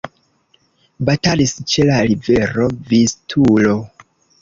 Batalis ĉe la rivero Vistulo.